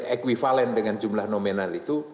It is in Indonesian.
equivalent dengan jumlah nominal itu